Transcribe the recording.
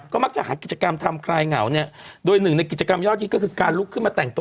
ก็มักจะหากิจกรรมทำคลายเหงาเนี่ยโดยหนึ่งในกิจกรรมยอดฮิตก็คือการลุกขึ้นมาแต่งตัว